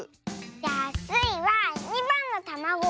じゃあスイは２ばんのたまご。